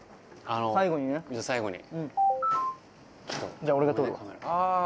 じゃあ俺が撮るわ。